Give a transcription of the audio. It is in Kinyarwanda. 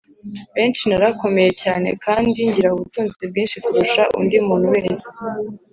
Benshi narakomeye cyane kandi ngira ubutunzi bwinshi kurusha undi muntu wese